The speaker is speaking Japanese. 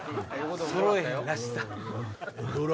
そろえへんらしさ！